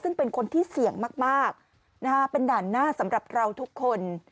ซึ่งเป็นคนที่เสี่ยงมากเป็นด่านหน้าสำหรับเราทุกคน